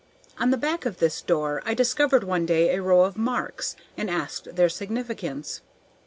On the back of this door I discovered one day a row of marks, and asked their significance.